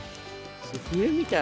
笛みたい。